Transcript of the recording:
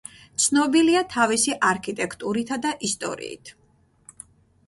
ცნობილია თავისი არქიტექტურითა და ისტორიით.